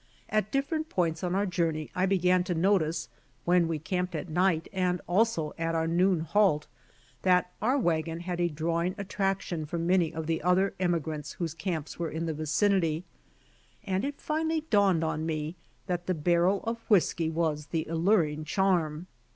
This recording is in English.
At dif ferent points on our journey I began to notice when we camped at night and also at our noon halt that our wagon had a drawing attraction for many of the 30 BY OX TEAM TO CALIFORNIA' other emigrants whose camps were in the vicinity, and it finally dawned on me that the barrel of whiskey was the alluring charm.